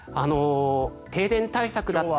停電対策だったり。